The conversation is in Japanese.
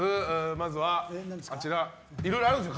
まずはいろいろあるんですよ。